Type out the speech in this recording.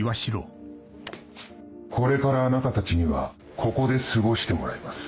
これからあなたたちにはここで過ごしてもらいます。